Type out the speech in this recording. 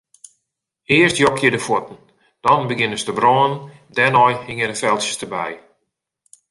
Earst jokje de fuotten, dan begjinne se te brânen, dêrnei hingje de feltsjes derby.